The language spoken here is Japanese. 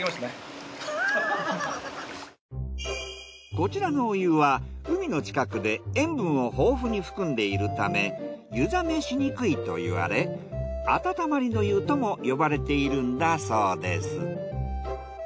こちらのお湯は海の近くで塩分を豊富に含んでいるため湯冷めしにくいと言われ温まりの湯とも呼ばれているんだそうです。